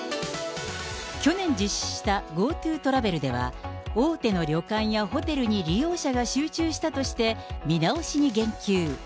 去年実施したＧｏＴｏトラベルでは、大手の旅館やホテルに利用者が集中したとして、見直しに言及。